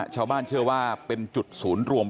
ชาวบ้านเชื่อว่าเป็นจุดศูนย์รวม